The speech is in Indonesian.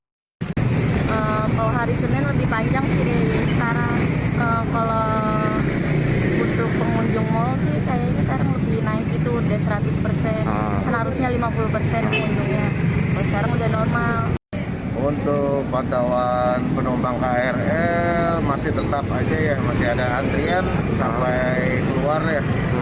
untuk padawan penumpang krl masih tetap saja ya masih ada antrian sampai keluar ya